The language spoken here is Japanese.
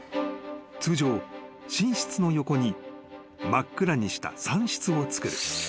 通常寝室の横に真っ暗にした産室をつくる］